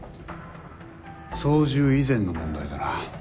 操縦以前の問題だな。